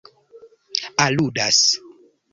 aludas